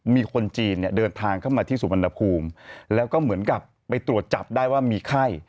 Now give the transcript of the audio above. มีคนจีนเนี่ยเดินทางเข้ามาที่สุวรรณภูมิแล้วก็เหมือนกับไปตรวจจับได้ว่ามีไข้